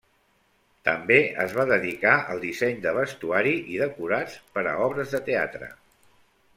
També es va dedicar al disseny de vestuari i decorats per a obres de teatre.